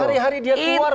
sehari hari dia keluar